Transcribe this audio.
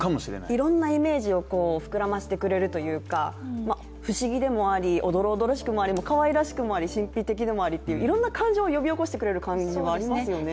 いろんなイメージを膨らませてくれるというか不思議でもあり、おどろおどろしくもあり、かわいらしくもあり、神秘的でもありという、いろんな感情を呼び起こしてくれる感じがありますよね。